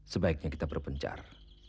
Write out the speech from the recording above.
sebaiknya kita berpencar